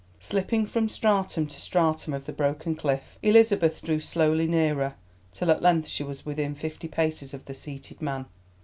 Slipping from stratum to stratum of the broken cliff, Elizabeth drew slowly nearer, till at length she was within fifty paces of the seated man.